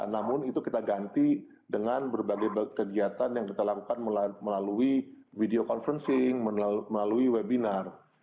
namun itu kita ganti dengan berbagai kegiatan yang kita lakukan melalui video conferensi melalui webinar